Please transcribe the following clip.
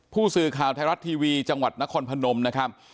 ผู้สื่อข่าวไทยรัฐทีวีจังหวัดนครพนมนะครับ